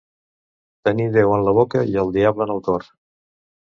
Tenir Déu en la boca i el diable en el cor.